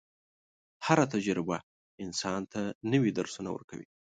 هره تجربه انسان ته نوي درسونه ورکوي.